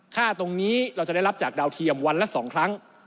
ค่าตรงนี้เราจะได้รับจากดาวเทียมวันละ๒ครั้ง